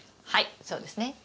はいそうですね。